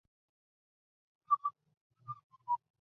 高耸复叶耳蕨为鳞毛蕨科复叶耳蕨属下的一个种。